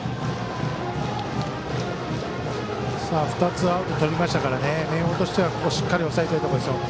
２つアウトとりましたから明豊としてはしっかり抑えたほうがいいですよ。